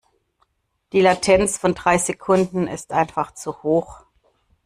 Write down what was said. Die Latenz von drei Sekunden ist einfach zu hoch.